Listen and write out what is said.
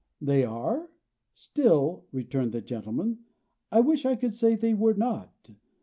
"They are. Still," returned the gentleman, "I wish I could say they were not.